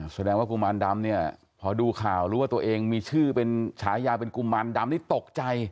แสดงว่ากุมารดำเนี่ยพอดูข่าวรู้ว่าตัวเองมีชื่อเป็นฉายาเป็นกุมารดำนี่ตกใจ